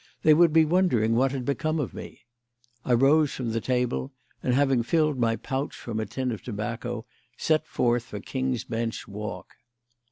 They would be wondering what had become of me. I rose from the table, and, having filled my pouch from a tin of tobacco, set forth for King's Bench Walk.